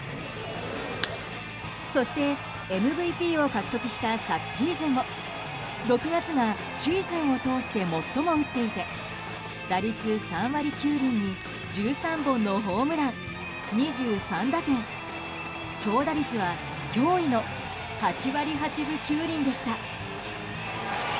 そしてＭＶＰを獲得した昨シーズンも６月がシーズンを通して最も打っていて打率３割９厘に１３本のホームラン、２３打点長打率は驚異の８割８分９厘でした。